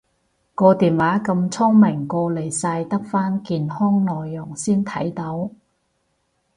個電話咁聰明過濾晒得返健康內容先睇到？